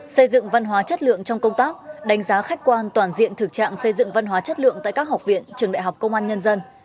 xây dựng văn hóa chất lượng trong công tác đánh giá khách quan toàn diện thực trạng xây dựng văn hóa chất lượng tại các học viện trường đại học công an nhân dân